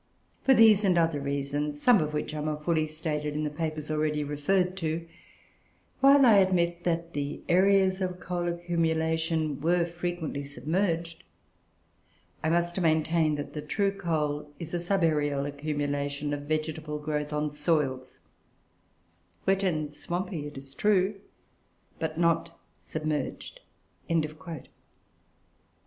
For these and other reasons, some of which are more fully stated in the papers already referred to, while I admit that the areas of coal accumulation were frequently submerged, I must maintain that the true coal is a subaërial accumulation by vegetable growth on soils, wet and swampy it is true, but not submerged."